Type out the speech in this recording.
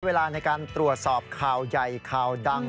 เวลาในการตรวจสอบข่าวใหญ่ข่าวดัง